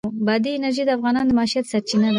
بادي انرژي د افغانانو د معیشت سرچینه ده.